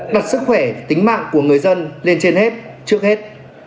đặt sức khỏe tính mạng của người dân lên trên hết trước hết